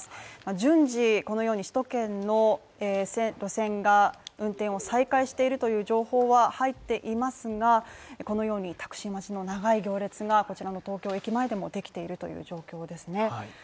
順次このように首都圏の路線が運転を再開しているという情報は入っていますが、このようにタクシー待ちの長い行列がこちらの東京駅前でもできているという状況ですね。